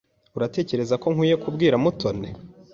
Uratekereza ko nkwiye kubwira Mutoni?